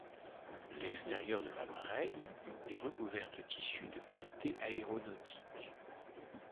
L'extérieur de l'appareil est recouvert de tissu de qualité aéronautique.